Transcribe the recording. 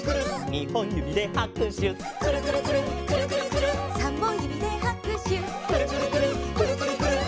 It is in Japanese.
「にほんゆびではくしゅ」「くるくるくるっくるくるくるっ」「さんぼんゆびではくしゅ」「くるくるくるっくるくるくるっ」